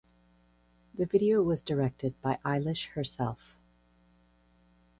The video was directed by Eilish herself.